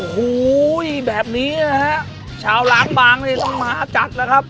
โอ้โหแบบนี้นะฮะชาวล้างบางนี่ต้องมาจัดแล้วครับ